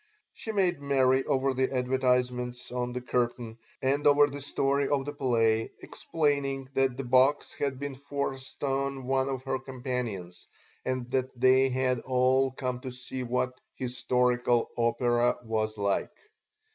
She made merry over the advertisements on the curtain and over the story of the play explaining that the box had been forced on one of her companions and that they had all come to see what "historic opera" was like.